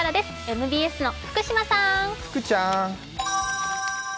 ＭＢＳの福島さん。